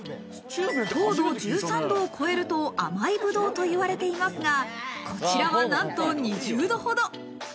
糖度１３度を超えると甘いぶどうといわれていますが、こちらはなんと２０度ほど。